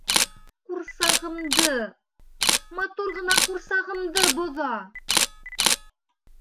— Ҡурсағымды, матур ғына ҡурсағымды боҙа...